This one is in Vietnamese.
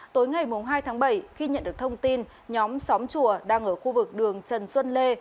tối ngày hai tháng bảy khi nhận được thông tin nhóm xóm chùa đang ở khu vực đường trần xuân lê